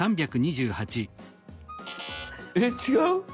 えっ違う！